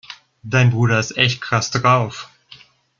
Dein Bruder ist echt krass drauf.